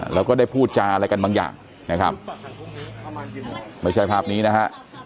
แล้วก็ได้พูดจาอะไรกันบางอย่างนะครับไม่ใช่ภาพนี้นะฮะ